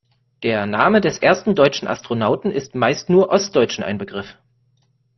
Der Name des ersten deutschen Astronauten ist meist nur Ostdeutschen ein Begriff.